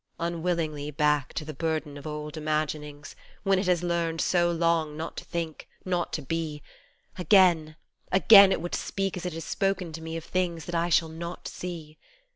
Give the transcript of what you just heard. Unwillingly back to the burden of old imaginings When it has learned so long not to think, not to be, Again, again it would speak as it has spoken to me of things That I shall not see